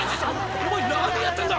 お前何やってんだ！